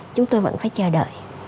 chúng tôi vẫn phải chờ đợi